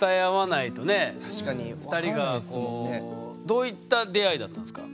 どういった出会いだったんですか？